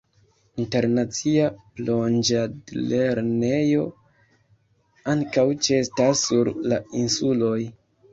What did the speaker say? Internacia plonĝadlernejo ankaŭ ĉeestas sur la insuloj.